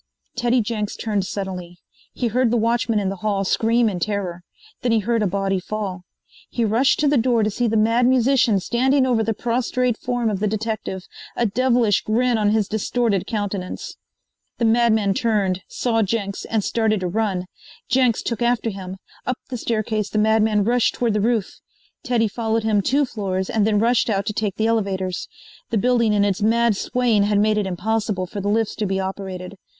Teddy Jenks turned suddenly. He heard the watchman in the hall scream in terror. Then he heard a body fall. He rushed to the door to see the Mad Musician standing over the prostrate form of the detective, a devilish grin on his distorted countenance. The madman turned, saw Jenks, and started to run. Jenks took after him. Up the staircase the madman rushed toward the roof. Teddy followed him two floors and then rushed out to take the elevators. The building in its mad swaying had made it impossible for the lifts to be operated.